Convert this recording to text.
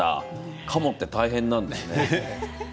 鴨って大変なんですね。